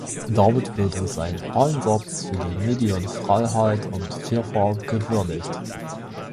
Damit wurde sein Einsatz für die Medienfreiheit und -vielfalt gewürdigt.